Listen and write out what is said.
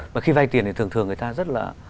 và khi vay tiền thì thường thường người ta rất là